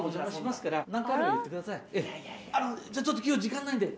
じゃちょっと今日時間ないんで。